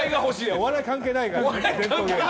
お笑い関係ないから。